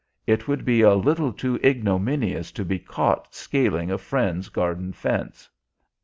It would be a little too ignominious to be caught scaling a friend's garden fence!